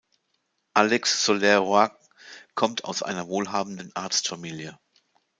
Alex Soler-Roig kommt aus einer wohlhabenden Arztfamilie.